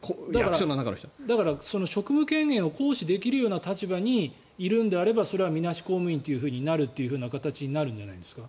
だから、職務権限を行使できるような立場にいるのであればそれはみなし公務員というふうになるという形になるんじゃないですか。